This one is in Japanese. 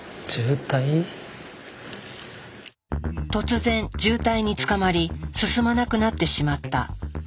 突然渋滞につかまり進まなくなってしまった。